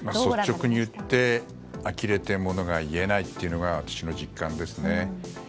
率直に言って呆れてものが言えないというのが私の実感ですね。